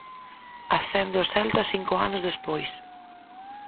Ascende o Celta cinco anos despois.